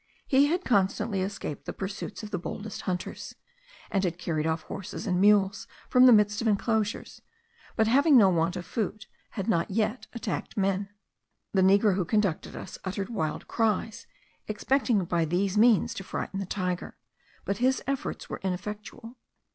He had constantly escaped the pursuits of the boldest hunters, and had carried off horses and mules from the midst of enclosures; but, having no want of food, had not yet attacked men. The negro who conducted us uttered wild cries, expecting by these means to frighten the tiger; but his efforts were ineffectual.